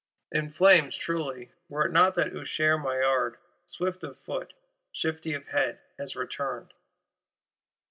In flames, truly,—were it not that Usher Maillard, swift of foot, shifty of head, has returned!